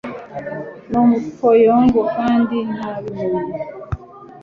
ni umupfayongo kandi ntabimenye